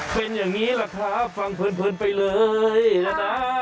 เป็นอย่างนี้ล่ะค่ะฟังเพลินไปเลยล่ะนะ